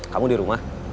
kamu di rumah